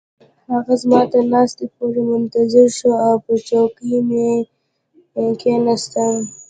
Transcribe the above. هغه زما تر ناستې پورې منتظر شو او پر چوکۍ مې کښیناستم.